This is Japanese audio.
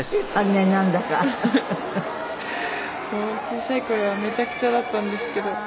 小さい頃はめちゃくちゃだったんですけど。